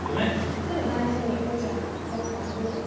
例えば大事にどちらかどこかトブとか。